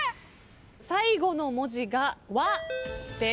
最後の文字が「わ」です。